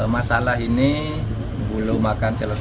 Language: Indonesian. masalah ini belum akan selesai hanya dengan angket atau mk